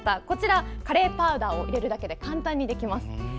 こちら、カレーパウダーを入れるだけで簡単にできます。